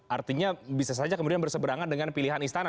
artinya bisa saja kemudian berseberangan dengan pilihan istana